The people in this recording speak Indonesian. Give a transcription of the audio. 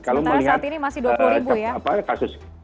kalau saat ini masih dua puluh ribu ya